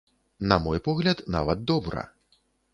На мой погляд, нават добра.